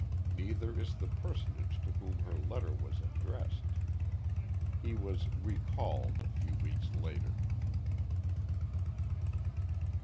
Neither is the personage to whom her letter was addressed. He was 'recalled' a few weeks later."